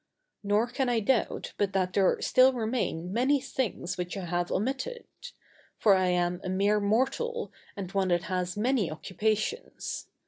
Nor can I doubt but that there still remain many things which I have omitted; for I am a mere mortal, and one that has many occupations.